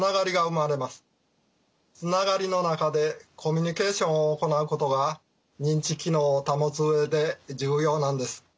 つながりの中でコミュニケーションを行うことが認知機能を保つ上で重要なんです。